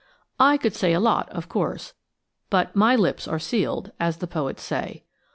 I could say a lot, of course, but "my lips are sealed," as the poets say.